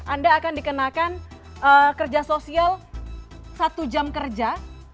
anda akan dikenakan kerja sosial satu jam kerja